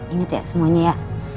inget ya semuanya ya